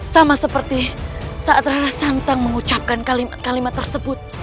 sama seperti saat ranah santang mengucapkan kalimat kalimat tersebut